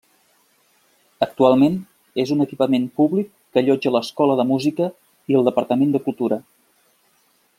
Actualment és un equipament públic que allotja l'escola de música i el departament de cultura.